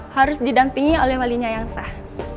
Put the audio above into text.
harus didampingi oleh walinya yang sah